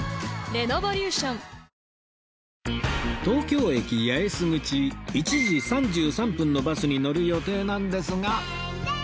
東京駅八重洲口１時３３分のバスに乗る予定なんですが